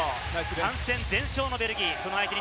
３戦全勝のベルギー。